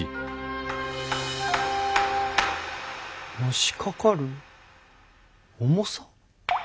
のしかかる重さ。